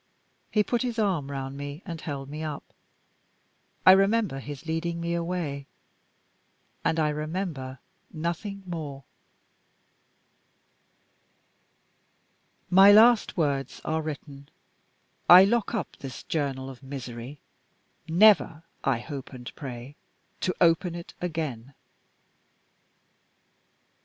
He put his arm round me and held me up. I remember his leading me away and I remember nothing more. My last words are written. I lock up this journal of misery never, I hope and pray, to open it again.